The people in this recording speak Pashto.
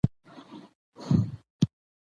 موږ باید د ماشومانو د خوښۍ لپاره وخت ځانګړی کړو